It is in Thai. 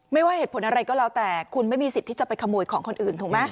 ว่าเหตุผลอะไรก็แล้วแต่คุณไม่มีสิทธิ์ที่จะไปขโมยของคนอื่นถูกไหม